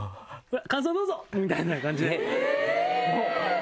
感想どうぞ！」みたいな感じで。